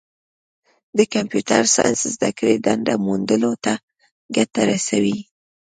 د کمپیوټر ساینس زدهکړه دنده موندلو ته ګټه رسوي.